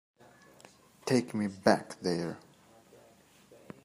Take me back there.